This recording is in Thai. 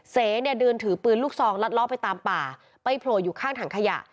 เสเนี่ยเดินถือปืนลูกซองลัดล้อไปตามป่าไปโผล่อยู่ข้างถังขยะ